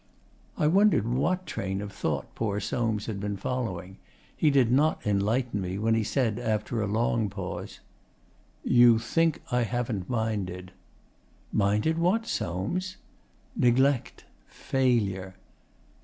I wondered what train of thought poor Soames had been following. He did not enlighten me when he said, after a long pause, 'You think I haven't minded.' 'Minded what, Soames?' 'Neglect. Failure.